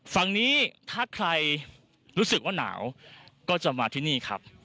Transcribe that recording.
ฝั่งนี้ถ้าใครรู้สึกว่าหนาวก็จะมาที่นี่ครับ